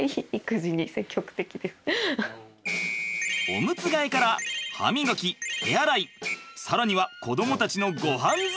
おむつ替えから歯磨き手洗い更には子どもたちのごはん作りまで。